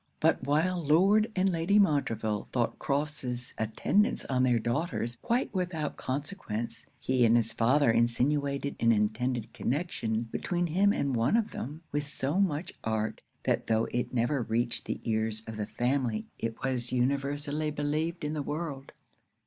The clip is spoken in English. But while Lord and Lady Montreville thought Crofts's attendance on their daughters quite without consequence, he and his father insinuated an intended connection between him and one of them, with so much art, that tho' it never reached the ears of the family it was universally believed in the world.